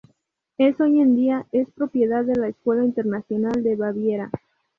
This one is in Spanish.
Es hoy en día es propiedad de la Escuela Internacional de Baviera.